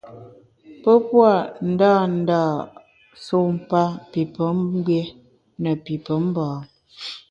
Pe pua’ ndândâ sumpa pi pemgbié ne pi pemba.